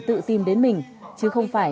tự tìm đến mình chứ không phải